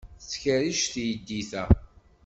Tettkerric teydit-a.